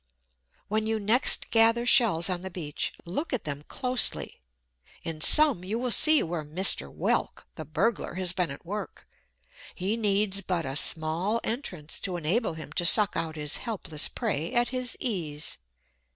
When you next gather shells on the beach, look at them closely; in some you will see where Mr. Whelk, the burglar, has been at work. He needs but a small entrance to enable him to suck out his helpless prey at his ease.